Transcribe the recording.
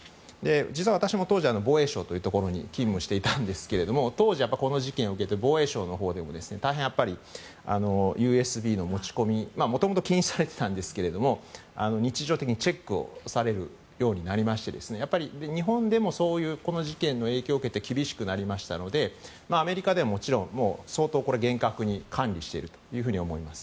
実は私も当時、防衛省というところに勤務していたんですが当時、この事件を受けて防衛省のほうでも大変、ＵＳＢの持ち込みもともと禁止されてたんですけど日常的にチェックをされるようになりましてやっぱり日本でもこの事件の影響を受けて厳しくなりましたのでアメリカでももちろん相当、厳格に管理していると思います。